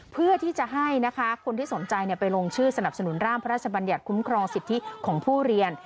เพื่อที่จะให้นะคะคนที่สนใจไปลงชื่อสนับสนุนร่างพระราชบัญญัติคุ้มครองสิทธิของผู้เรียน